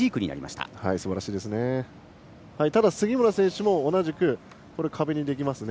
ただ、杉村選手も同じく、壁にできますね。